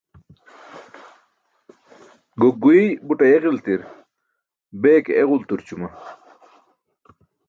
Gok guiy but ayeġiltir, bee ke eġulturćuma.